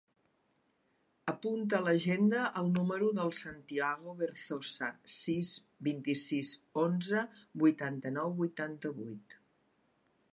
Apunta a l'agenda el número del Santiago Berzosa: sis, vint-i-sis, onze, vuitanta-nou, vuitanta-vuit.